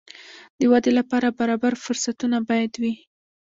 د ودې لپاره برابر فرصتونه باید وي.